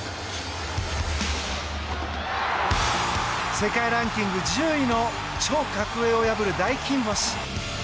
世界ランキング１０位の超格上を破る大金星。